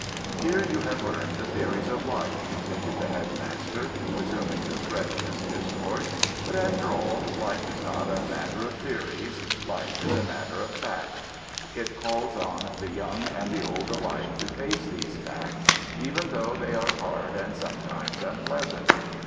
"Here you have learned the theories of life," continued the Headmaster, resuming the thread of his discourse, "but after all, life is not a matter of theories. Life is a matter of facts. It calls on the young and the old alike to face these facts, even though they are hard and sometimes unpleasant.